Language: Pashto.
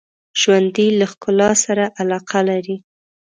ژوندي له ښکلا سره علاقه لري